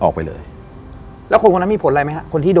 บ๊วยแล้วคนคนนั้นมีผลอะไรไหมครับคนที่โดน